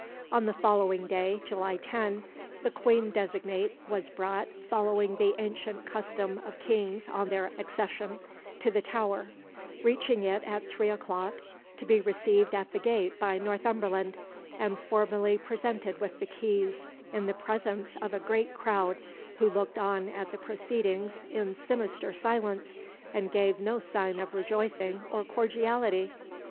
On the following day, July 10, the Queen designate was brought, following the ancient custom of Kings on their accession, to the Tower; reaching it at three o'clock, to be received at the gate by Northumberland, and formally presented with the keys in the presence of a great crowd who looked on at the proceedings in sinister silence and gave no sign of rejoicing or cordiality.